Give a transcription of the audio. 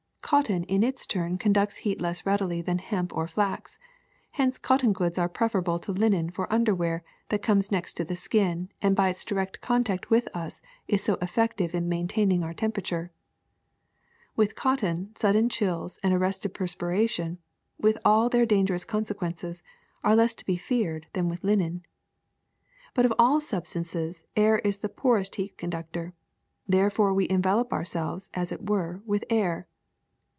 ^^ Cotton in its turn conducts heat less readily than hemp or flax ; hence cotton goods are preferable to linen for underwear that comes next to the skin and by its direct contact with us is so effective in main Cotton Plant Branch and (a) opened boll. taining our temperature. With cotton, sudden chills and arrested perspiration, with all their dangerous consequences, are less to be feared than with linen. *^But of all substances air is the poorest heat con ductor. Therefore we envelop ourselves, as it were, with air.